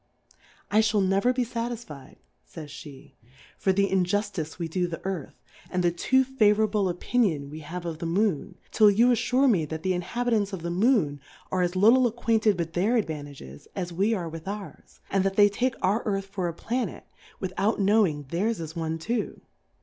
I fhall never be fatisfy'd, fsfys pe^ for the Injuftice we do the Earth, and the too favourable Opinion we have of Plurality ^/WORLDS. 43 of the Moon, till you affure me tliat tlie Inhabitants of the Moon are as little ac quainted with their Advantages, as we are with ours ; and that they take our Earth for a Planet, without knowing theirs is one too.